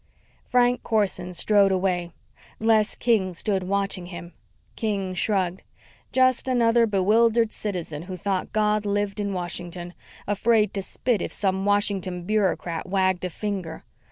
Frank Corson strode away. Les King stood watching him. King shrugged. Just another bewildered citizen who thought God lived in Washington. Afraid to spit if some Washington bureaucrat wagged a finger.